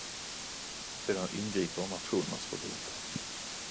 Sedan ingriper Nationernas förbund.